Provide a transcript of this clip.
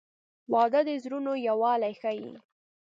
• واده د زړونو یووالی ښیي.